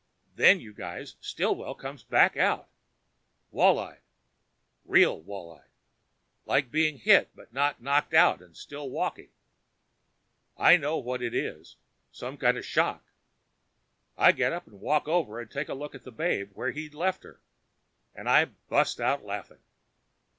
Then, you guys, Stillwell comes back out wall eyed real wall eyed like being hit but not knocked out and still walking. I know what it is some kind of shock. I get up and walk over and take a look at the babe where he'd left her and I bust out laughing.